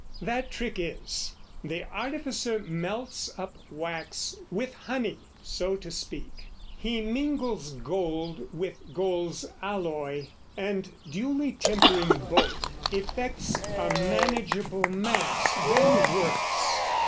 That trick is, the artificer melts up wax With honey, so to speak; he mingles gold With gold's alloy, and, duly tempering both, Effects a manageable mass, then works.